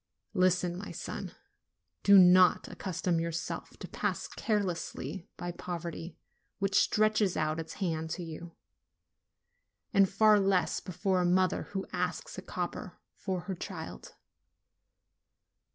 Listen, my son. Do not accustom yourself to pass carelessly by poverty which stretches out its hand to you, and far less before a mother who asks a copper for her child.